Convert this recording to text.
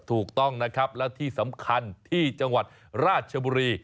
ถูกต้องนะครับและที่สำคัญที่จังหวัดราชบุรี